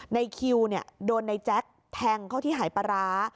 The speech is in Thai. ในคิวโดนนายแจ๊กแทงเขาที่หายปร้า